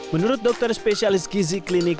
menurut dokter spesialis gizi klinik